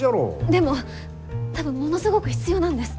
でもたぶんものすごく必要なんです。